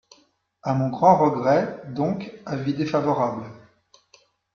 À mon grand regret, donc, avis défavorable.